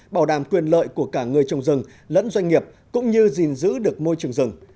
bảo đảm quyền lợi của cả người trồng rừng lẫn doanh nghiệp cũng như gìn giữ được môi trường rừng